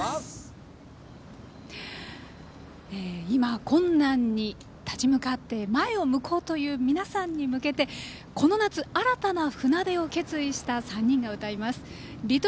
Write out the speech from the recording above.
今、困難に立ち向かって前を向こうという皆さんに向けてこの夏、新たな船出を決意した３人が歌います。